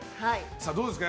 どうですか？